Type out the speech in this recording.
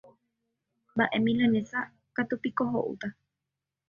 Mbaʼe milanesa katu piko hoʼúta.